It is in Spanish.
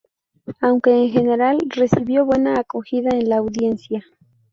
Aunque, en general, recibió buena acogida en la audiencia.